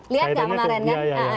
lihat nggak kemarin kan